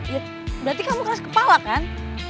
ya berarti kamu keras kepala kan